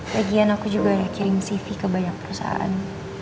lagian aku juga udah kirim cv ke banyak perusahaan